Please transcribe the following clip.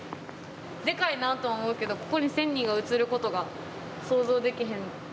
でかいなと思うけどここに１，０００人が映ることが想像できへん。